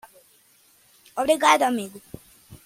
Obrigado amigo